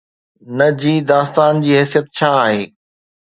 نه جي داستان جي حيثيت ڇا آهي؟